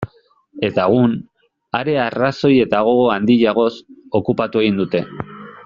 Eta egun, are arrazoi eta gogo handiagoz, okupatu egin dute.